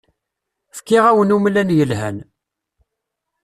Fkiɣ-awen umlan yelhan.